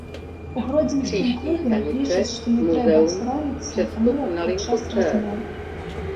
У гродзенскім клубе лічаць, што не трэба саромецца памылак падчас размоў.